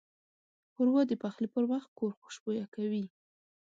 ښوروا د پخلي پر وخت کور خوشبویه کوي.